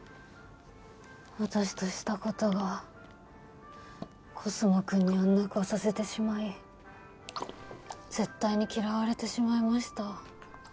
私としたことがコスモくんにあんな顔させてしまい絶対に嫌われてしまいました